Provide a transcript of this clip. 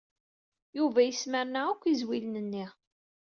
Yuba yesmerna akk izwilen-nni.